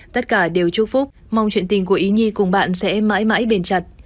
tất cả đều chúc phúc mong chuyện tình của ý nhi cùng bạn sẽ mãi mãi bền chặt